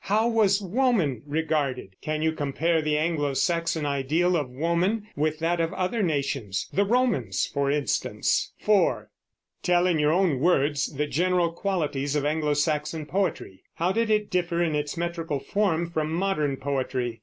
How was woman regarded? Can you compare the Anglo Saxon ideal of woman with that of other nations, the Romans for instance? 4. Tell in your own words the general qualities of Anglo Saxon poetry. How did it differ in its metrical form from modern poetry?